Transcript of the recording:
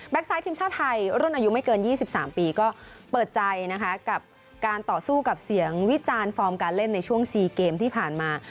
ไซต์ทีมชาติไทยรุ่นอายุไม่เกิน๒๓ปีก็เปิดใจนะคะกับการต่อสู้กับเสียงวิจารณ์ฟอร์มการเล่นในช่วง๔เกมที่ผ่านมา